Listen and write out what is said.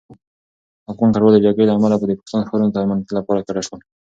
افغان کډوال د جګړې له امله د پاکستان ښارونو ته امن لپاره کډه شول.